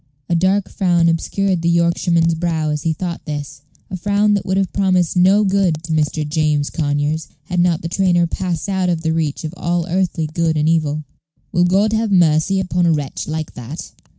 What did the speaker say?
A dark frown obscured the Yorkshireman's brow as he thought this a frown that would have promised no good to Mr. James Conyers had not the trainer passed out of the reach of all earthly good and evil. "Will God have mercy upon a wretch like that?"